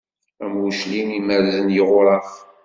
Am uclim i merzen yiɣuraf.